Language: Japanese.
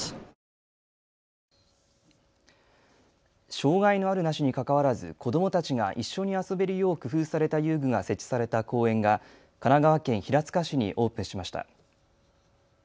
障害のあるなしにかかわらず子どもたちが一緒に遊べるよう工夫された遊具が設置された公園が神奈川県平塚市にオープンしました。